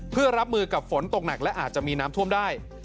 เพื่อรับมือกับฝนตกหนักและอาจจะมีน้ำท่วมได้